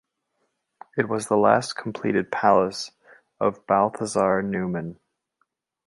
It was the last completed palace of Balthasar Neumann.